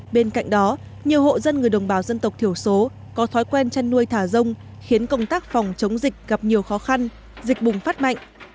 bên cạnh đó nhiều hộ dân người đồng bào dân tộc thiểu số có thói quen chăn nuôi thả rông khiến công tác phòng chống dịch gặp nhiều khó khăn dịch bùng phát mạnh